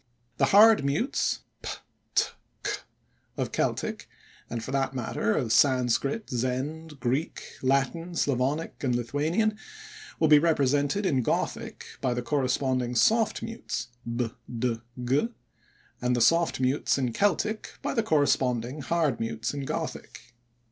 The hard mutes (p, t, c) of Celtic (and, for that matter, of Sanscrit, Zend, Greek, Latin, Slavonic, and Lithuanian) will be represented in Gothic by the corresponding soft mutes (b, d, g), and the soft mutes in Celtic by the corresponding, hard mutes in Gothic.